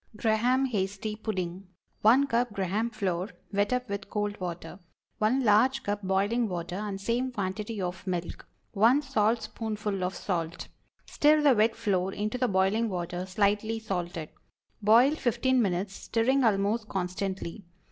GRAHAM HASTY PUDDING. ✠ 1 cup Graham flour, wet up with cold water. 1 large cup boiling water and same quantity of milk. 1 saltspoonful of salt. Stir the wet flour into the boiling water, slightly salted. Boil fifteen minutes, stirring almost constantly.